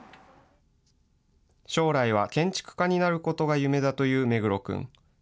将来は建築家になることが夢だという目黒君。